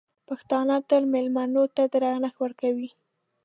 پښتانه تل مېلمنو ته درنښت ورکوي.